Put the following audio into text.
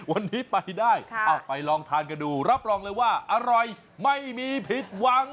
วันนี้ไปได้เอาไปลองทานกันดูรับรองเลยว่าอร่อยไม่มีผิดหวัง